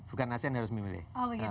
bukan asean harus memilih